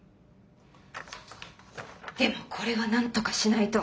でもこれは何とかしないと。